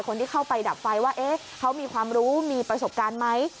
คนที่เข้าไปดับไฟว่าเขามีความรู้มีประสบการณ์ไหม